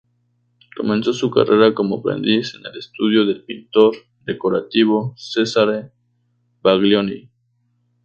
Comenzó su carrera como aprendiz en el estudio del pintor decorativo Cesare Baglioni.